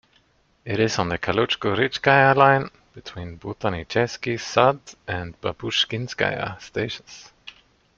It is on the Kaluzhsko-Rizhskaya Line, between Botanichesky Sad and Babushkinskaya stations.